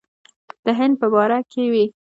د هند په باره کې وې.